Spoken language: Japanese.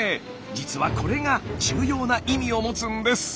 実はこれが重要な意味を持つんです！